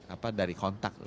apa dari kontak